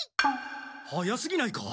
早すぎないか？